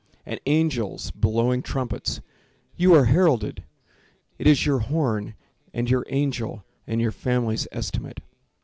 And angels blowing trumpets—you are heralded— It is your horn and your angel and your family's estimate.